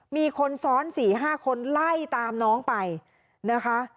มีคนซ้อน๔๕คนไล่ตามน้องไปนะคะ